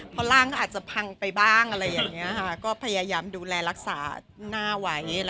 เพราะร่างก็อาจจะพังไปบ้างอะไรอย่างนี้ฮะก็พยายามดูแลรักษาหน้าไว้อะไรอย่างนี้ฮะ